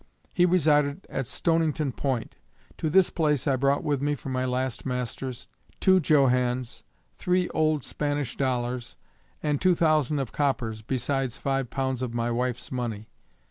He resided at Stonington point. To this place I brought with me from my last master's, two johannes, three old Spanish dollars, and two thousand of coppers, besides five pounds of my wife's money.